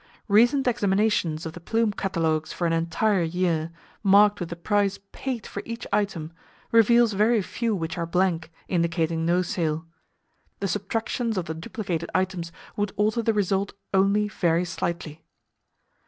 Recent examinations of the plume catalogues for an entire year, marked with the price paid for each item, reveals very few which are blank, indicating no sale! The subtractions of the duplicated items would alter the result only very slightly.